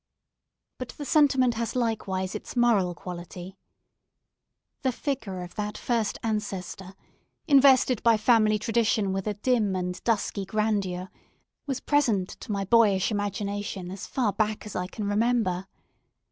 But the sentiment has likewise its moral quality. The figure of that first ancestor, invested by family tradition with a dim and dusky grandeur, was present to my boyish imagination as far back as I can remember.